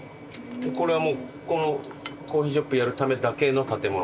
これはこのコーヒーショップやるためだけの建物を建てた。